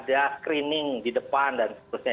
ada screening di depan dan seterusnya